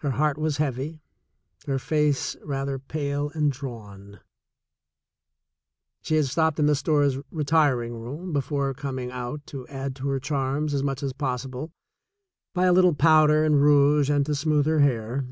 Her heart was heavy, her face rather pale and drawn. She had stopped in the store's retiring room before coming out to add to her charms as much as possible by a little powder and rouge and to smooth her hair.